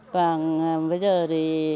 và bây giờ thì